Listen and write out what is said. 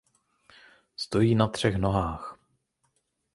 Stojí na třech nohách.